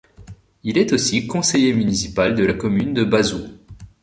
Il est aussi conseiller municipal de la commune de Bazou.